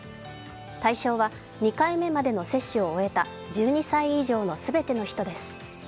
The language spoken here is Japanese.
対象は２回目までの接種を終えた１２歳以上の全ての人です。